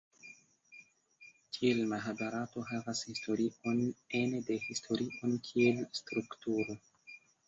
Tiel Mahabarato havas historion ene de historion kiel strukturo.